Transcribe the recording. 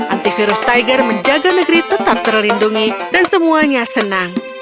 antivirus tiger menjaga negeri tetap terlindungi dan semuanya senang